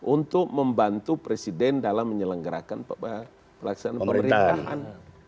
untuk membantu presiden dalam menyelenggarakan pelaksanaan pemerintahan